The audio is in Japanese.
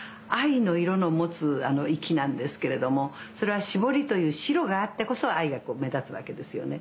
藍の色の持つ粋なんですけれどもそれは絞りという白があってこそ藍が目立つわけですよね。